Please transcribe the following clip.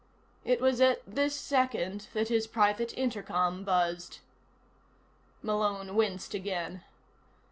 It was at this second that his private intercom buzzed. Malone winced again.